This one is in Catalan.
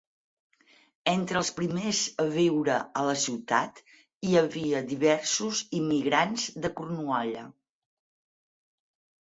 Entre els primers a viure a la ciutat hi havia diversos immigrants de Cornualla.